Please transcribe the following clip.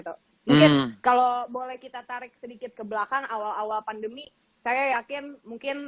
mungkin kalau boleh kita tarik sedikit ke belakang awal awal pandemi saya yakin mungkin